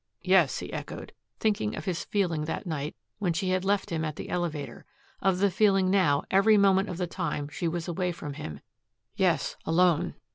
"Yes," he echoed, thinking of his feeling that night when she had left him at the elevator, of the feeling now every moment of the time she was away from him, "yes, alone!"